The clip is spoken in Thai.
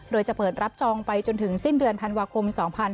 โดยจะเปิดรับจองไปจนถึงสิ้นเดือนธันวาคม๒๕๕๙